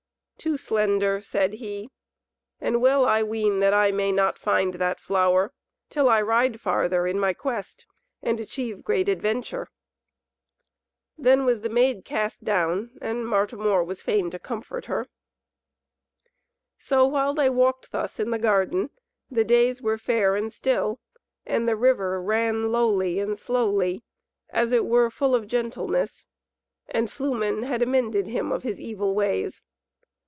"Too slender," said he, "and well I ween that I may not find that flower, till I ride farther in my quest and achieve great adventure." Then was the Maid cast down, and Martimor was fain to comfort her. So while they walked thus in the garden, the days were fair and still, and the river ran lowly and slowly, as it were full of gentleness, and Flumen had amended him of his evil ways.